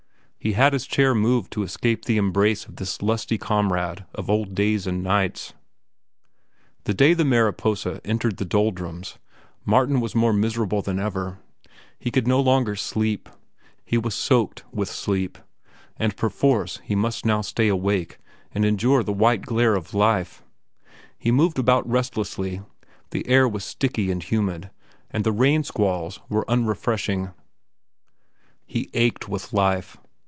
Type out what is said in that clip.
He had his chair moved to escape the embrace of this lusty comrade of old days and nights. The day the Mariposa entered the doldrums, Martin was more miserable than ever. He could no longer sleep. He was soaked with sleep, and perforce he must now stay awake and endure the white glare of life. He moved about restlessly. The air was sticky and humid, and the rain squalls were unrefreshing. He ached with life.